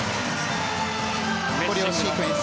コレオシークエンス。